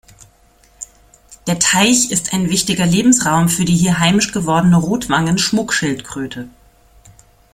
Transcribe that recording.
Der Teich ist ein wichtiger Lebensraum für die hier heimisch gewordene Rotwangen-Schmuckschildkröte.